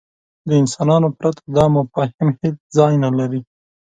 له انسانانو پرته دا مفاهیم هېڅ ځای نهلري.